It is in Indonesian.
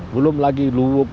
belum lagi luwuk